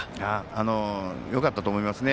よかったと思います。